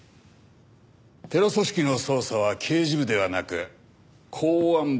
テロ組織の捜査は刑事部ではなく公安部の案件です。